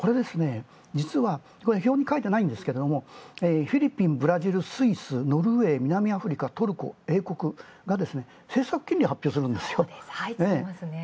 実は表に書いてないんですけどフィリピン、ブラジル、スイス、ノルウェー、南アフリカ、トルコが政策金利を発表するんです。